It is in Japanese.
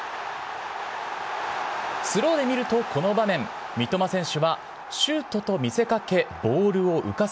スローで見るとこの場面、三笘選手はシュートと見せかけ、ボールを浮かせ、